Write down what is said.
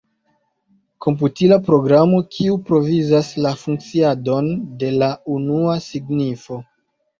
Komputila programo kiu provizas la funkciadon de la unua signifo.